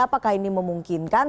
apakah ini memungkinkan